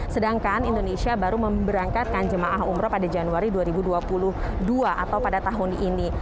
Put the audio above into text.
sedangkan indonesia baru memberangkatkan jemaah umroh pada januari dua ribu dua puluh satu